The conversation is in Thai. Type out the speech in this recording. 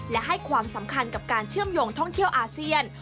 และให้ความสำคัญกับการเชื่อมโยงท่องเที่ยวอาเซียน